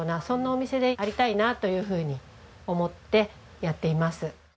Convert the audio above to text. そんなお店でありたいなというふうに思ってやっています。